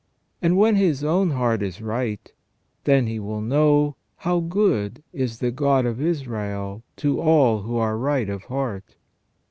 And when his own heart is right, then he will know " how good is the God of Israel to all who are right of heart